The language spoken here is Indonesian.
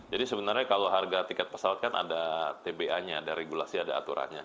sebenarnya kalau harga tiket pesawat kan ada tba nya ada regulasi ada aturannya